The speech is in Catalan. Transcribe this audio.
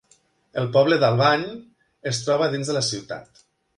El poble d'Albany es troba dins de la ciutat.